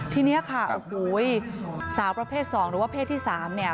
ที่นี่ค่ะสาวประเภท๒หรือว่าสาวประเภท๓